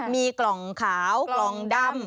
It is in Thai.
มีกล่องขาวกล่องดำ